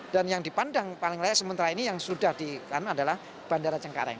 dan yang dipandang paling layak sementara ini yang sudah dikan adalah bandara cengkareng